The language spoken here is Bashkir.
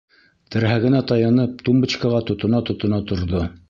Терһәгенә таянып, тумбочкаға тотона-тотона торҙо.